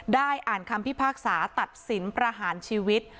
ได้อ่านคำพิพากษาตัดสินประหารชีวิต